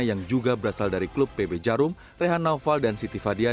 yang juga berasal dari klub pb jarum rehan naufal dan siti fadia